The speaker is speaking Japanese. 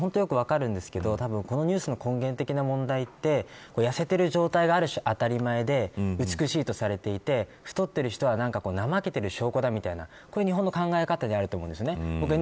気持ちは本当によく分かるんですけどこのニュースの根源的な問題は痩せている状態がある種当たり前で美しいとされていて太っている人は怠けている証拠だみたいな日本の考え方にあると思います。